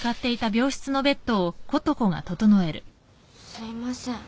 すいません。